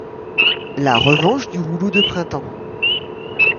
La revanche du rouleau de printemps.